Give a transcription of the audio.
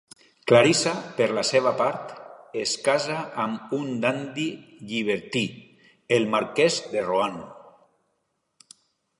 Clarissa, per la seva part, es casa amb un dandi llibertí, el marquès de Rohan.